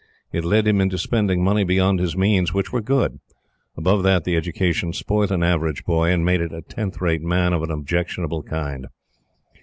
It led him into spending money beyond his means, which were good: above that, the education spoilt an average boy and made it a tenth rate man of an objectionable kind.